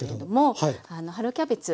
春キャベツ